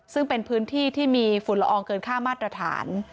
ซึ่งเป็นพื้นที่ที่มีฝุ่นละอองเกินค่ามาตรฐาน